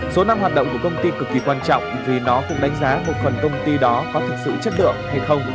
số năm hoạt động của công ty cực kỳ quan trọng vì nó cũng đánh giá một phần công ty đó có thực sự chất lượng hay không